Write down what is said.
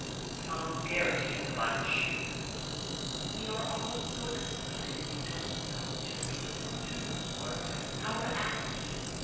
Tom Geraghty and the bunch, we are all so excited we don't know just what to do or how to act.